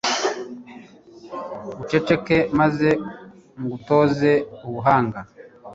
uceceke, maze ngutoze ubuhanga